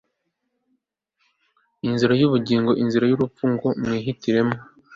inzira y ubugingo n inzira y urupfu ngo mwihitiremo